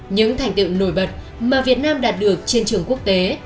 những thành tựu nổi bật mà việt nam đạt được trên trường quốc tế